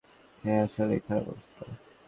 হ্যাঁ, আসলেই খারাপ অবস্থা।